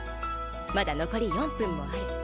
まだ残り４分もある。